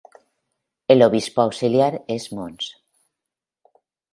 El obispo auxiliar es Mons.